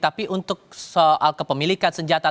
tapi untuk soal kepemilikan senjata